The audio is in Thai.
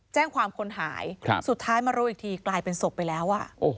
แจ้งความคนหายสุดท้ายมารู้อีกทีกลายเป็นศพไปแล้ว